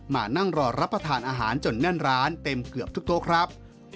มานั่งรอรับประทานอาหารจนแน่นร้านเต็มเกือบทุกโต๊ะครับ